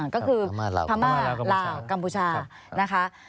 ก็คือพม่าลาวกัมพูชานะคะ